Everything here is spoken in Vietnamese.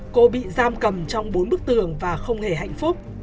cô bị giam cầm trong bốn bức tường và không hề hạnh phúc